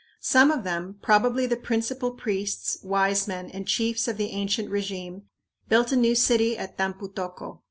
Some of them, probably the principal priests, wise men, and chiefs of the ancient régime, built a new city at "Tampu tocco."